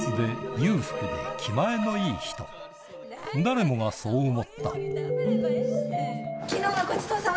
誰もがそう思ったホンマ？